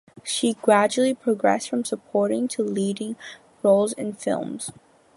She gradually progressed from supporting to leading roles in films.